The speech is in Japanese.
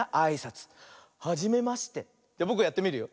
じゃぼくがやってみるよ。